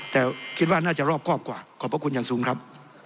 แต่คิดว่าน่าจะรอบครอบกว่าขอบพระคุณอย่างสูงครับ